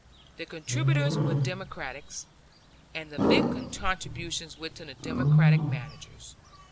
The contributors were Democrats, and the big contributions went to the Democratic managers.